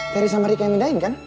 terry sama rika yang midain kan